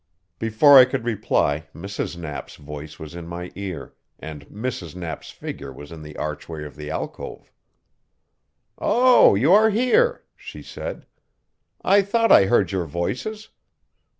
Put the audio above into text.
Before I could reply, Mrs. Knapp's voice was in my ear, and Mrs. Knapp's figure was in the archway of the alcove. "Oh, you are here," she said. "I thought I heard your voices.